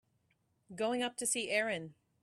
Going up to see Erin.